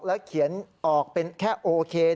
แล้วเขียนออกเป็นแค่โอเค